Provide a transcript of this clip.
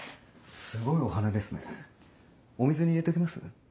すごいお花ですねお水に入れときます？